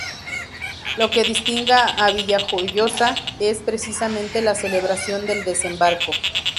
Lo que distingue a Villajoyosa es precisamente la celebración del Desembarco.